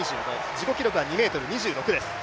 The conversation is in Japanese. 自己記録が２ｍ２６です。